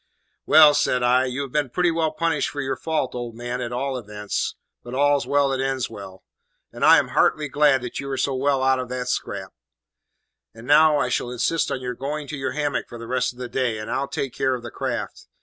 "Well," said I, "you have been pretty well punished for your fault, old man, at all events. But `all's well that ends well;' and I am heartily glad that you are so well out of the scrape. And now, I shall insist on your going to your hammock for the rest of the day, and I'll take care of the craft.